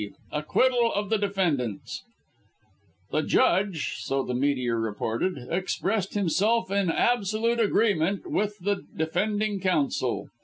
ACQUITTAL OF THE DEFENDANTS "The Judge" so the Meteor reported "expressed himself in absolute agreement with the defending counsel.